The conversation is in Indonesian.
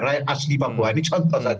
rakyat asli papua ini contoh